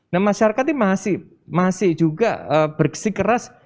nah masyarakat ini masih juga berkesih keras